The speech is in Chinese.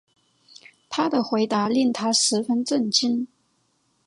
他的回答令她十分震惊